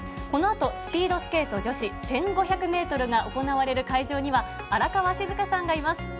このあと、スピードスケート女子１５００メートルが行われる会場には、荒川静香さんがいます。